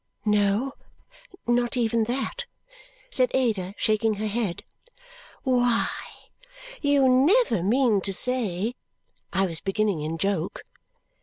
"No, not even that!" said Ada, shaking her head. "Why, you never mean to say " I was beginning in joke.